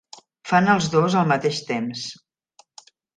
Fan els dos al mateix temps.